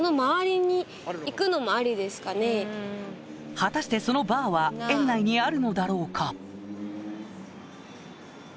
果たしてそのバーは円内にあるのだろうか？